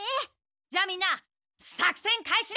じゃあみんな作戦開始だ！